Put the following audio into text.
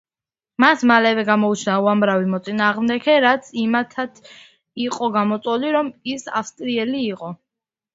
მას მალევე გამოუჩნდა უამრავი მოწინააღმდეგე, რაც იმითაც იყო გამოწვეული, რომ ის ავსტრიელი იყო.